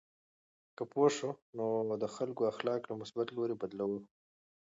که پوه شو، نو د خلکو اخلاق له مثبت لوري بدلوو.